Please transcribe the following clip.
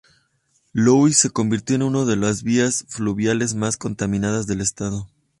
Louis se convirtió en uno de las vías fluviales más contaminadas del estado.